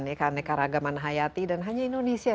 mekaragaman hayati dan hanya indonesia